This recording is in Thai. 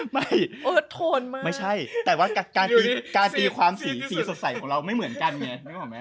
ไม่เอิร์ทโทนมากไม่ใช่แต่ว่าการตีความสีสีสดใสของเราไม่เหมือนกันไงนึกออกไหม